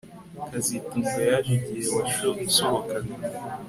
kazitunga yaje igihe wasohokaga